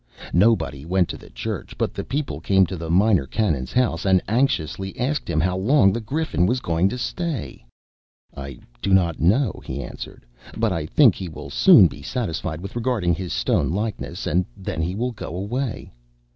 Nobody went to the church, but the people came to the Minor Canon's house, and anxiously asked him how long the Griffin was going to stay. "I do not know," he answered, "but I think he will soon be satisfied with regarding his stone likeness, and then he will go away."